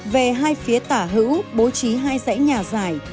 về hai phía tả hữu bố trí hai dãy nhà giải